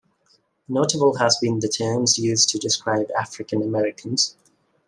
Notable has been the terms used to describe African-Americans.